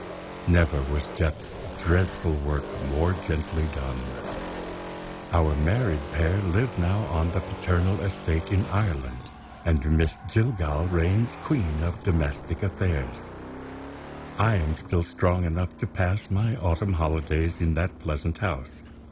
Never was Death's dreadful work more gently done. Our married pair live now on the paternal estate in Ireland; and Miss Jillgall reigns queen of domestic affairs. I am still strong enough to pass my autumn holidays in that pleasant house.